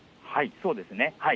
そうですね。